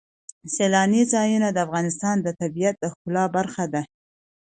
سیلانی ځایونه د افغانستان د طبیعت د ښکلا برخه ده.